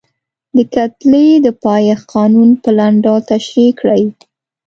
د کتلې د پایښت قانون په لنډ ډول تشریح کړئ.